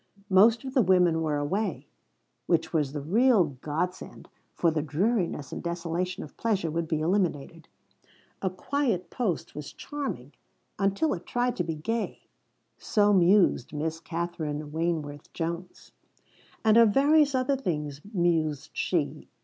Most of the women were away, which was the real godsend, for the dreariness and desolation of pleasure would be eliminated. A quiet post was charming until it tried to be gay so mused Miss Katherine Wayneworth Jones. And of various other things, mused she.